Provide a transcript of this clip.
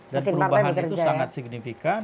dan perubahan itu sangat signifikan